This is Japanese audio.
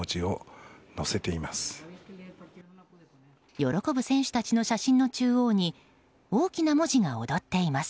喜ぶ選手たちの写真の中央に大きな文字が躍っています。